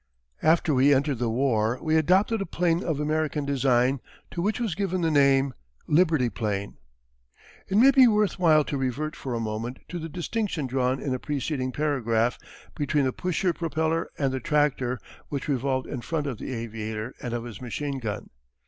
After we entered the war we adopted a 'plane of American design to which was given the name "Liberty plane." It may be worth while to revert for a moment to the distinction drawn in a preceding paragraph between the pusher propeller and the tractor which revolved in front of the aviator and of his machine gun.